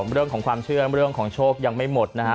เรื่องของความเชื่อเรื่องของโชคยังไม่หมดนะฮะ